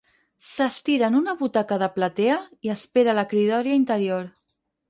S'estira en una butaca de platea i espera la cridòria interior.